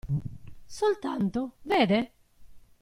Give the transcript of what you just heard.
Soltanto, vede?